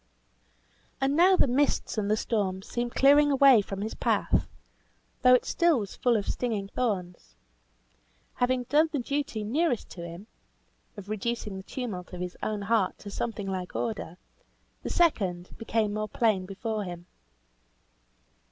And now the mists and the storms seemed clearing away from his path, though it still was full of stinging thorns. Having done the duty nearest to him (of reducing the tumult of his own heart to something like order), the second became more plain before him.